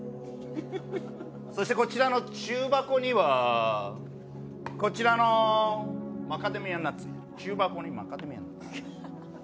そしてこちらの中箱にはこちらのマカデミアナッツ、中箱にマカデミアナッツ。